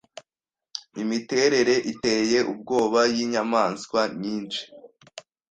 imiterere iteye ubwoba yinyamaswa nyinshi